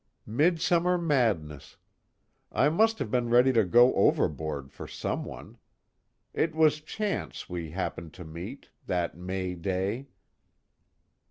"Midsummer madness. I must have been ready to go overboard for someone. It was chance we happened to meet, that May day."